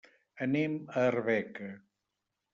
Anem a Arbeca.